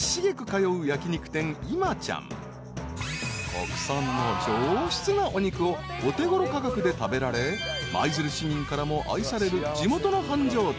［国産の上質なお肉をお手ごろ価格で食べられ舞鶴市民からも愛される地元の繁盛店］